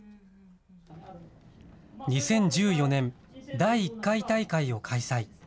２０１４年、第１回大会を開催。